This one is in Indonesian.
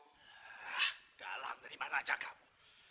hah galang dari mana aja kamu